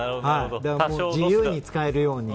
自由に使えるように。